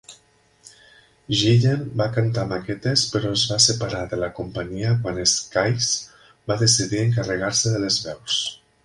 Gillen va cantar maquetes però es va separar de la companyia quan Sykes va decidir encarregar-se de les veus.